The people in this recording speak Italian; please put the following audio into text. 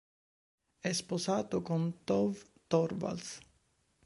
È sposato con Tove Torvalds.